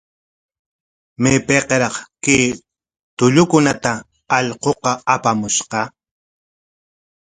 ¿Maypikraq kay tullukunata allquqa apamushqa?